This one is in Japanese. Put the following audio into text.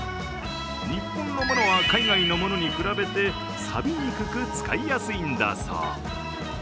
日本のものは海外のものに比べてさびにくく、使いやすいんだそう。